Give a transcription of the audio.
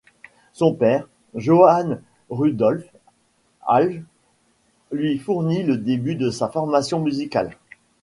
Son père, Johann Rudolph Ahle, lui fournit le début de sa formation musicale.